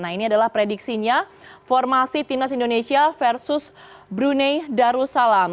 nah ini adalah prediksinya formasi timnas indonesia versus brunei darussalam